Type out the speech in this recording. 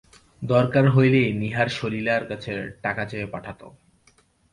দরকার হলেই নীহার সলিলার কাছে টাকা চেয়ে পাঠাত।